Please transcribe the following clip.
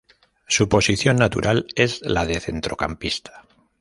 Su posición natural es la de centrocampista.